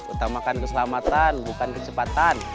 utamakan keselamatan bukan kecepatan